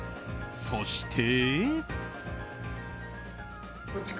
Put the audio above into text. そして。